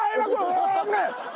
お危ねえ！